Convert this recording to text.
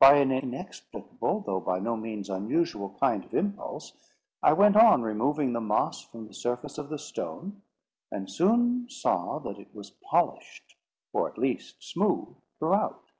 By an inexplicable, though by no means unusual kind of impulse, I went on removing the moss from the surface of the stone; and soon saw that it was polished, or at least smooth, throughout.